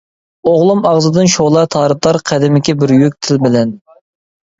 ئوغلۇم ئاغزىدىن شولا تارىتار، قەدىمكى بىر بۈيۈك تىل بىلەن.